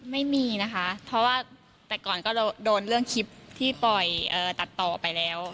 ไม่มีนะคะเพราะว่าแต่ก่อนก็เราโดนเรื่องคลิปที่ปล่อยตัดต่อไปแล้ว